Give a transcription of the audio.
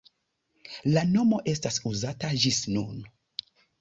La nomo estas uzata ĝis nun.